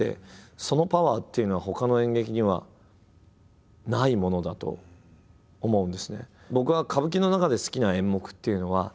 そのパワーっていうのはほかの演劇にはないものだと思うんですね。